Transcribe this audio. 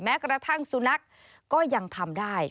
แม้กระทั่งสุนัขก็ยังทำได้